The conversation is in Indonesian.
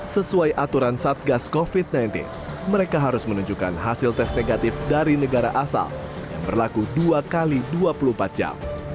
sesuai aturan satgas covid sembilan belas mereka harus menunjukkan hasil tes negatif dari negara asal yang berlaku dua x dua puluh empat jam